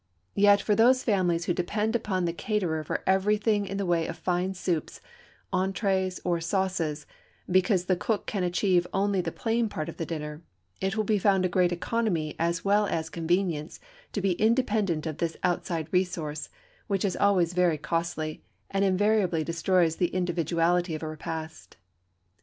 Yet for those families who depend upon the caterer for everything in the way of fine soups, entrées, or sauces, because the cook can achieve only the plain part of the dinner, it will be found a great economy as well as convenience to be independent of this outside resource, which is always very costly, and invariably destroys the individuality of a repast.